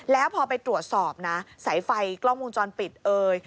แล้วพอไปตรวจสอบนะสายไฟกล้องวงจรปิดเอ่ย